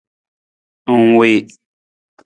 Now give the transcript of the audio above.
Ng wii.